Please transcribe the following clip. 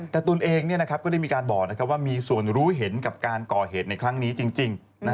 แต่ตนเองก็ได้มีการบอกว่ามีส่วนรู้เห็นกับการก่อเหตุในครั้งนี้จริง